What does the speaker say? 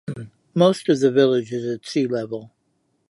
Most of the village is at sea level.